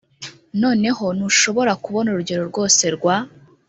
noneho ntushobora kubona urugero rwose rwa